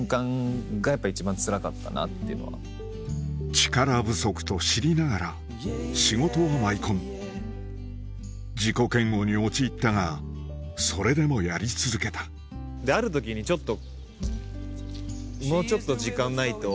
力不足と知りながら仕事は舞い込む自己嫌悪に陥ったがそれでもやり続けたもはや限界だった